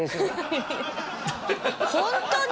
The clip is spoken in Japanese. ホントに？